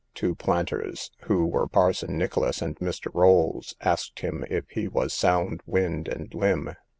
Two planters, who were parson Nicholas and Mr. Rolls, asked him if he was sound wind and limb?